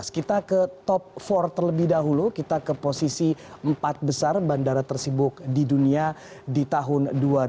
kita ke top empat terlebih dahulu kita ke posisi empat besar bandara tersibuk di dunia di tahun dua ribu dua puluh